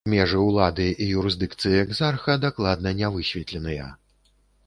Межы ўлады і юрысдыкцыі экзарха дакладна не высветленыя.